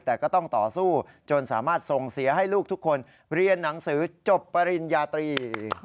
แต่ก็ต้องต่อสู้จนสามารถส่งเสียให้ลูกทุกคนเรียนหนังสือจบปริญญาตรี